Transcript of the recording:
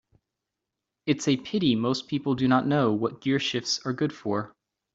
It's a pity most people do not know what gearshifts are good for.